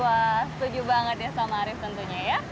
wah setuju banget ya sama arief tentunya ya